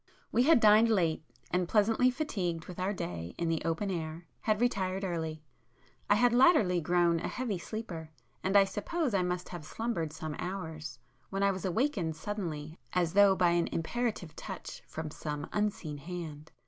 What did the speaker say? We had dined late, and, pleasantly fatigued with our day in the open air, had retired early. I had latterly grown a heavy sleeper, and I suppose I must have slumbered some hours, when I was awakened suddenly as though by an imperative touch from some unseen hand.